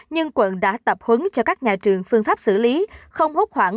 nhưng quận đã tập huấn cho các nhà trường phương pháp xử lý không hút khoảng